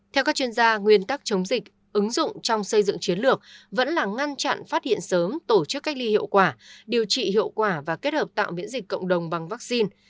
theo các chuyên gia nguyên tắc chống dịch ứng dụng trong xây dựng chiến lược vẫn là ngăn chặn phát hiện sớm tổ chức cách ly hiệu quả điều trị hiệu quả và kết hợp tạo miễn dịch cộng đồng bằng vaccine